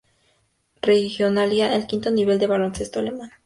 Regionalliga, el quinto nivel del baloncesto alemán.